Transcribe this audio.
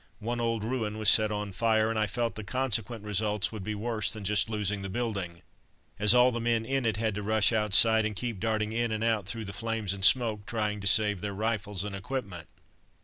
One old ruin was set on fire, and I felt the consequent results would be worse than just losing the building; as all the men in it had to rush outside and keep darting in and out through the flames and smoke, trying to save their rifles and equipment.